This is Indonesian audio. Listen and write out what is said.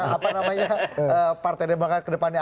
apa namanya partai demokrat kedepannya